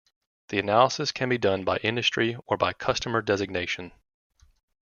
The analysis can be done by industry or by customer designation.